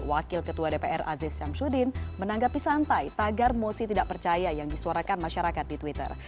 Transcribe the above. wakil ketua dpr aziz syamsuddin menanggapi santai tagar mosi tidak percaya yang disuarakan masyarakat di twitter